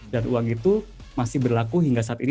uang itu masih berlaku hingga saat ini